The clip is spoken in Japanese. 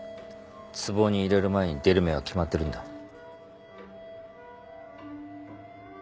ツボに入れる前に出る目は決まってるんだ